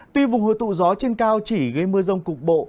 tuy vùng hồi tụ gió trên cao chỉ gây mưa rông cục bộ